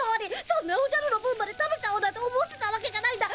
そんなおじゃるの分まで食べちゃおうなんて思ってたわけじゃないんだ。